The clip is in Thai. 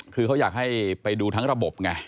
คือเขาอยากให้ไปดูทั้งระบบไง